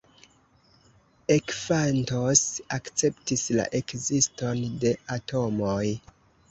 Ekfantos akceptis la ekziston de atomoj.